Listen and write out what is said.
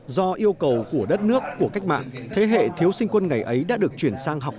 do yêu cầu của đất nước của cách mạng thế hệ thiếu sinh quân ngày ấy đã được chuyển sang học